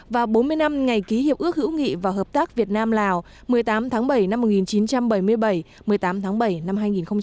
và bốn mươi năm ngày ký hiệp ước hữu nghị và hợp tác việt nam lào một mươi tám tháng bảy năm một nghìn chín trăm bảy mươi bảy một mươi tám tháng bảy năm hai nghìn một mươi chín